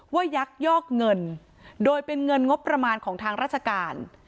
ยักยอกเงินโดยเป็นเงินงบประมาณของทางราชการ